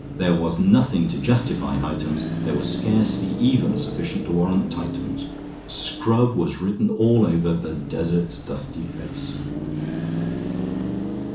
There was nothing to justify Hightums, there was scarcely even sufficient to warrant Tightums. Scrub was written all over "the desert's dusty face."